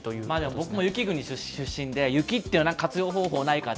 僕も雪国出身で、雪は活用方法ないか。